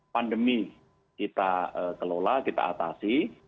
pandemi kita kelola kita atasi